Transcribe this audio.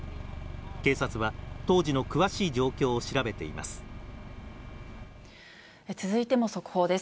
警察は当時の詳しい状況を調べています。